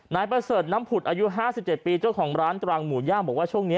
นายประเสริฐน้ำผุดอายุ๕๗ปีเจ้าของร้านตรังหมูย่างบอกว่าช่วงนี้